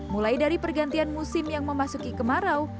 mulai dari pergantian musim yang memasuki kemarau